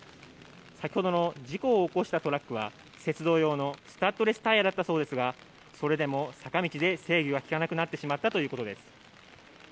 先ほどの事故を起こしたトラックは雪道用のスタッドレスタイヤだったようですがそれでも制御がきかなくなってしまったということです。